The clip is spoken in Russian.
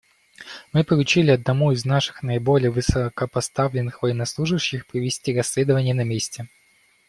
Мы поручили одному из наших наиболее высокопоставленных военнослужащих провести расследование на месте.